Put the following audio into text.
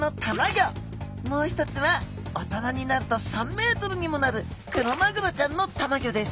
もう一つは大人になると３ｍにもなるクロマグロちゃんのたまギョです。